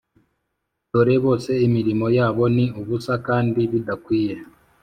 Dore bose imirimo yabo ni ubusa kandi bidakwiye